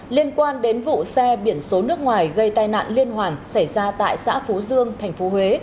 liên quan đến vụ xe biển số nước ngoài gây tai nạn liên hoàn xảy ra tại xã phú dương tp huế